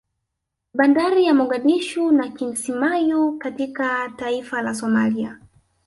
Bandari za Mogadishu na Kismayu katika taifa la Somalia